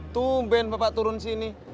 tumben bapak turun sini